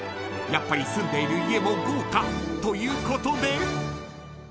やっぱり住んでいる家も豪華ということで。